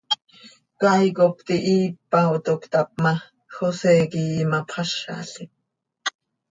Caay cop tihiipa, toc cötap ma, José quih imapxázalim.